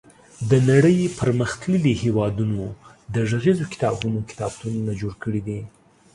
د نړۍ پرمختللي هېوادونو د غږیزو کتابونو کتابتونونه جوړ کړي دي.